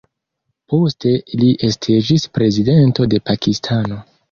Poste li estiĝis Prezidento de Pakistano.